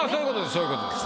そういうことです